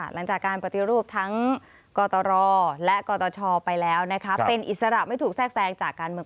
หลังจากการปฏิรูปทั้งกตรและกตชไปแล้วนะคะเป็นอิสระไม่ถูกแทรกแทรงจากการเมือง